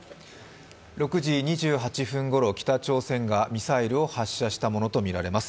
６時２８分ごろ、北朝鮮がミサイルを発射したものとみられます。